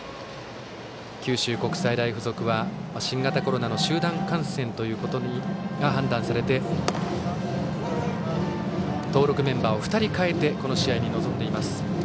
九州国際大付属は新型コロナの集団感染と判断され登録メンバーを２人変えてこの試合に臨んでいます。